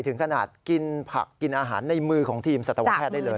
ถึงขนาดกินผักกินอาหารในมือของทีมสัตวแพทย์ได้เลย